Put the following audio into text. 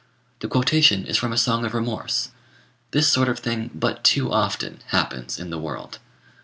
The quotation is from a song of remorse. This sort of thing but too often happens in the world.